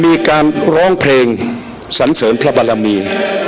มีการร้องเพลงสันเสริญพระบารมี